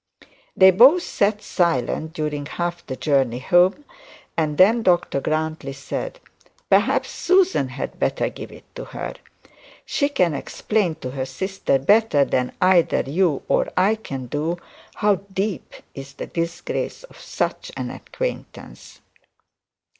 They both sat silent during the journey home, and then Dr Grantly said, 'Perhaps Susan had better give it to her. She can explain to her sister, better than you or I can do, how deep is the disgrace of such an acquaintance.'